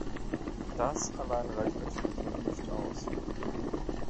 Das allein reicht natürlich noch nicht aus.